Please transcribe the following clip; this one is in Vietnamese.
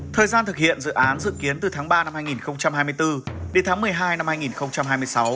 thời gian thực hiện dự án dự kiến từ tháng ba năm hai nghìn hai mươi bốn đến tháng một mươi hai năm hai nghìn hai mươi sáu